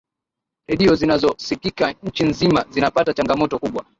redio zinazosikika nchi nzima zinapata changamoto kubwa